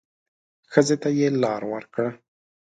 ښځې ته يې لار ورکړه.